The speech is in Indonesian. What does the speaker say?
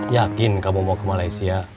yakin kamu mau ke malaysia